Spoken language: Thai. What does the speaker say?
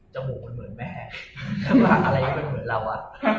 เจ้าหมูมันเหมือนแม่เอ่ะถ้าบอกอะไรมันเหมือนเราอะ